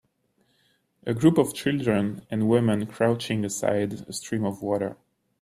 A group of children and women crouching aside a stream of water.